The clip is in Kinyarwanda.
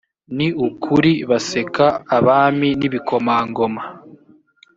ni ukuri baseka abami n’ ibikomangoma